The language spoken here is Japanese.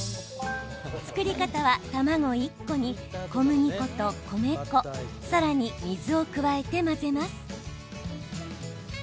作り方は卵１個に小麦粉と米粉さらに水を加えて混ぜます。